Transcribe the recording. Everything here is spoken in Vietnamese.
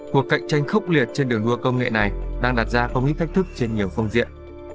cuộc cạnh tranh khốc liệt trên đường đua công nghệ này đang đặt ra công nghiệp thách thức trên nhiều phong diện